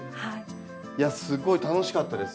すごい楽しかったです。